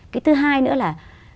cái thứ hai nữa là